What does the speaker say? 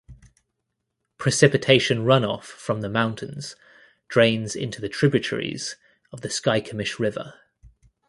Precipitation runoff from the mountain drains into tributaries of the Skykomish River.